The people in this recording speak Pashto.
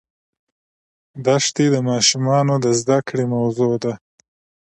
دښتې د ماشومانو د زده کړې موضوع ده.